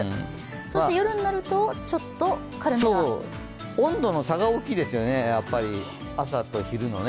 そして夜になると、ちょっと軽めな温度の差が大きいですよね、朝と昼のね。